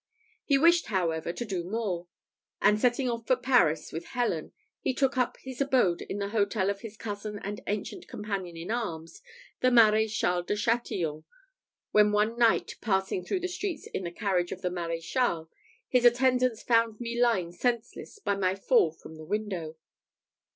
He wished, however, to do more; and setting off for Paris with Helen, he took up his abode in the hotel of his cousin and ancient companion in arms, the Maréchal de Chatillon; when one night passing through the streets in the carriage of the Maréchal, his attendants found me lying senseless, by my fall from the window.